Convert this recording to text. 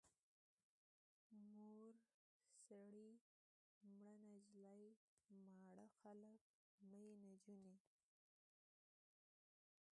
مور سړی، مړه نجلۍ، ماړه خلک، مړې نجونې.